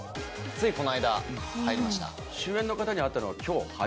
ついこの間入りました。